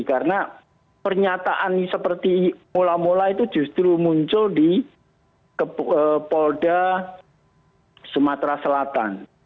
karena pernyataan seperti mula mula itu justru muncul di polda sumatera selatan